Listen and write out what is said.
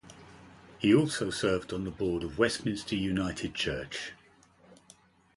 He also served on the board of Westminster United Church.